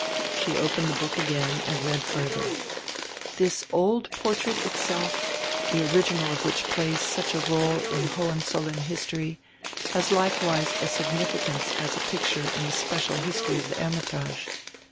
She opened die hook again and read furdier: "This old portrait itself, die original of which plays such a role in Hohenzollern history, has likewise a significance as a pic ture in the special history of die Hermitage.